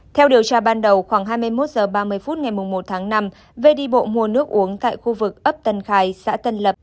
theo điều tra ban đầu khoảng hai mươi một h ba mươi phút ngày một tháng năm v đi bộ mua nước uống tại khu vực ấp tân khai xã tân lập